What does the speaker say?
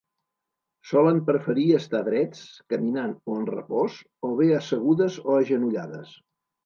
Solen preferir estar drets, caminant o en repòs, o bé assegudes o agenollades.